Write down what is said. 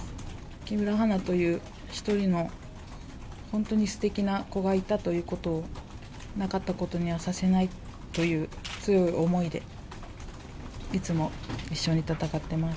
木村花という一人の本当にすてきな子がいたということを、なかったことにはさせないという強い思いで、いつも一緒に戦ってます。